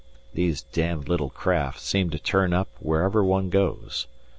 These damned little craft seem to turn up wherever one goes.